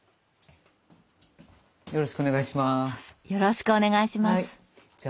よろしくお願いします。